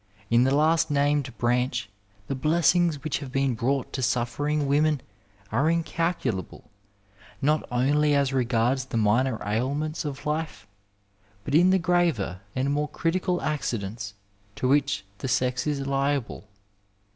In the last named branch the blessings which have been brought to suffering women are incalculable, not only as regards the minor ailments of life, but in the graver and more critical accidents to which the sex is liable.